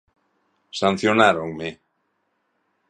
Sancionáronme.